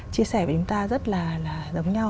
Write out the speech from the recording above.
chia sẻ với chúng ta rất là giống nhau